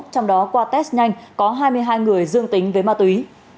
trong đó qua test nhanh có hai mươi hai người dương tính với ma túy